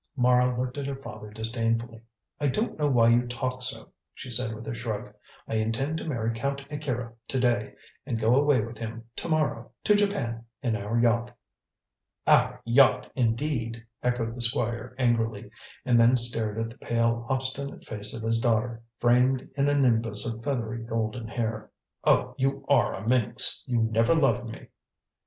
Mara looked at her father disdainfully. "I don't know why you talk so," she said with a shrug. "I intend to marry Count Akira to day, and go away with him to morrow, to Japan in our yacht." "Our yacht, indeed!" echoed the Squire angrily, and then stared at the pale obstinate face of his daughter, framed in a nimbus of feathery golden hair. "Oh you are a minx! You never loved me!"